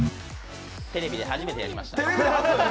テレビで初めてやりました。